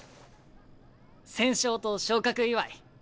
戦勝と昇格祝。